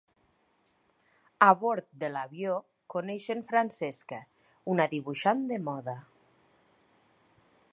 A bord de l'avió, coneixen Francesca, una dibuixant de moda.